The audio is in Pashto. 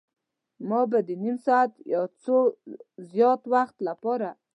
ما به د نیم ساعت یا یو څه زیات وخت لپاره.